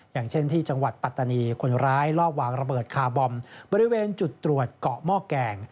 อย่างเช่นที่จังหวัดปัตตานีคนร้ายรอบวางระเบิดคาร์บอมบริเวณจุดตรวจเกาะหม้อแกง